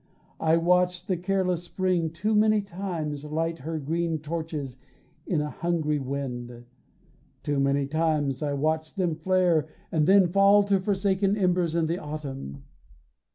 I watched the careless spring too many times Light her green torches in a hungry wind; Too many times I watched them flare, and then Fall to forsaken embers in the autumn.